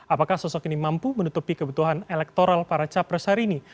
apakah sosok ini mampu menutupi kebutuhan elektoral para capres hari ini